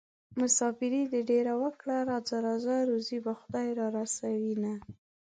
مساپري دې ډېره وکړه راځه راځه روزي به خدای رارسوينه